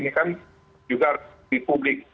ini kan juga harus di publik